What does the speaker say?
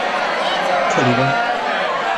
克里翁。